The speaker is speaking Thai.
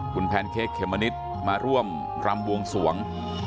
คุณแพนเค้กเขมมะนิดมาร่วมรำบวงสวง